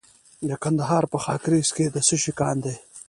د کندهار په خاکریز کې د څه شي کان دی؟